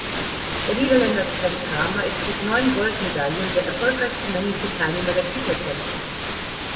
Der Niederländer Sven Kramer ist mit neun Goldmedaillen der erfolgreichste männliche Teilnehmer der Titelkämpfe.